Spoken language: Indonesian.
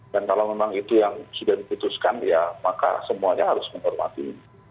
dan kalau memang itu yang sudah diputuskan ya maka semuanya harus menghormati